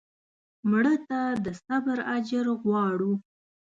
مړه ته د صبر اجر غواړو